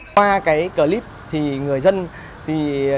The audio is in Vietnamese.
qua clip người dân sẽ có thể thực hành nhiều lần